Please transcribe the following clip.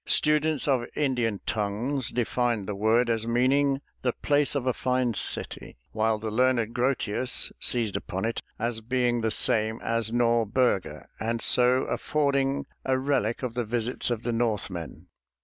Students of Indian tongues defined the word as meaning "the place of a fine city"; while the learned Grotius seized upon it as being the same as Norberga and so affording a relic of the visits of the Northmen.